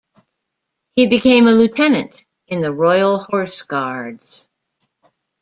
He became a lieutenant in the Royal Horse Guards.